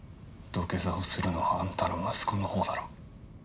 土下座をするのはあんたの息子のほうだろ。